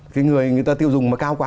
cái người người ta tiêu dùng mà cao quá